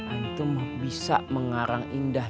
antum bisa mengarang indah